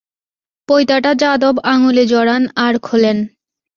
পৈতাটা যাদব আঙুলে জড়ান আর খোলেন।